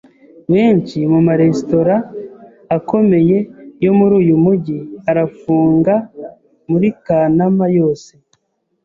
Benshi mu maresitora akomeye yo muri uyu mujyi arafunga muri Kanama yose.